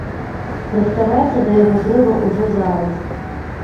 Рыхтавацца да яго трэба ўжо зараз.